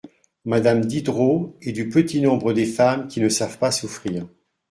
Madame Diderot est du petit nombre des femmes qui ne savent pas souffrir.